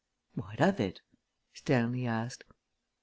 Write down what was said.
"What of it?" Stanley asked.